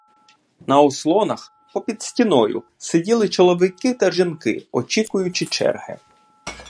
На ослонах, попід стіною, сиділи чоловіки та жінки, очікуючи черги.